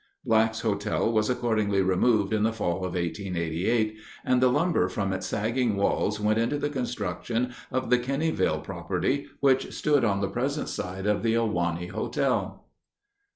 Black's Hotel was accordingly removed in the fall of 1888, and the lumber from its sagging walls went into the construction of the "Kenneyville" property, which stood on the present site of the Ahwahnee Hotel.